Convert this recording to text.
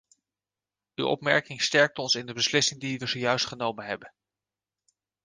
Uw opmerking sterkt ons in de beslissing die we zojuist genomen hebben.